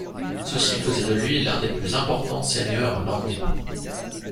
Ceci faisait de lui l'un des plus importants seigneurs landais.